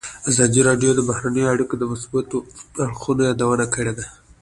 ازادي راډیو د بهرنۍ اړیکې د مثبتو اړخونو یادونه کړې.